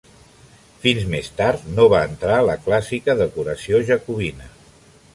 Fins més tard no va entrar la clàssica decoració jacobina.